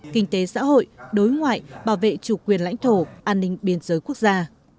kinh tế xã hội đối ngoại bảo vệ chủ quyền lãnh thổ an ninh biên giới quốc gia